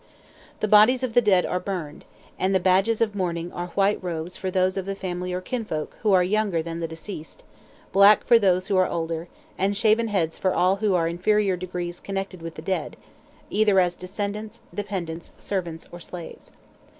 The bodies of the dead are burned; and the badges of mourning are white robes for those of the family or kinfolk who are younger than the deceased, black for those who are older, and shaven heads for all who are in inferior degrees connected with the dead, either as descendants, dependents, servants, or slaves.